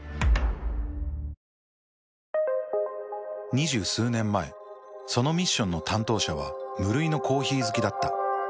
２０数年前そのミッションの担当者は無類のコーヒー好きだった。